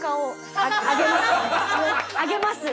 あげます！